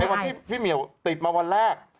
วันที่พี่เหมียวติดมาวันแรก